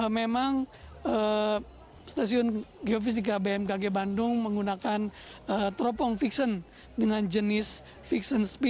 memang stasiun geofisika bmkg bandung menggunakan teropong vixen dengan jenis vixen spik